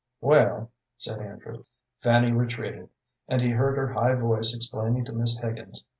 "Well," said Andrew. Fanny retreated, and he heard her high voice explaining to Miss Higgins.